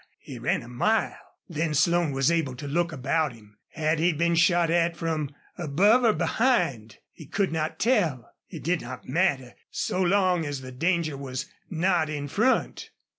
He ran a mile. Then Slone was able to look about him. Had he been shot at from above or behind? He could not tell. It did not matter, so long as the danger was not in front.